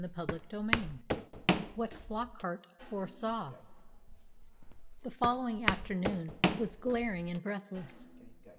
CHAPTER XIII WHAT FLOCKART FORESAW The following afternoon was glaring and breathless.